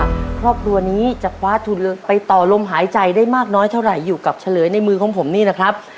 ครอบครัวนี้จะคว้าทุนไปต่อลมหายใจได้มากน้อยเท่าไหร่อยู่กับเฉลยในมือของผมนี่นะครับ